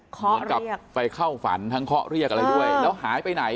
เหมือนกับไปเข้าฝันทั้งเคาะเรียกอะไรด้วยแล้วหายไปไหน